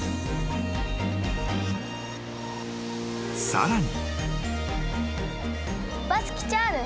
［さらに］